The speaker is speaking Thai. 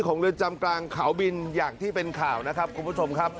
ของเรือนจำกลางขาวบินอย่างที่เป็นข่าวคุณผู้ชมครับ